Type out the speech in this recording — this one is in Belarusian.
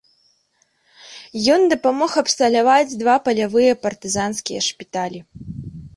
Ён дапамог абсталяваць два палявыя партызанскія шпіталі.